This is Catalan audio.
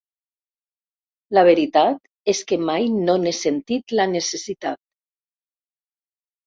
La veritat és que mai no n'he sentit la necessitat.